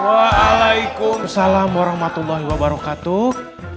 waalaikumsalam warahmatullahi wabarakatuh